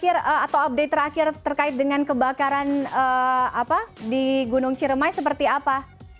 terakhir atau update terakhir terkait dengan kebakaran di gunung ciremai seperti apa